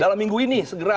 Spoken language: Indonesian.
dalam minggu ini segera